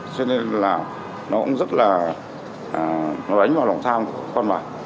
cho nên là nó cũng rất là nó đánh vào lòng tham của con bạc